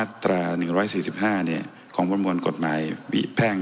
ก็คือไปร้องต่อสารปกครองกลาง